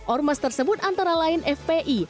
ormas tersebut antara lain fpi